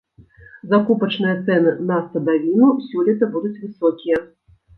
Закупачныя цэны на садавіну сёлета будуць высокія.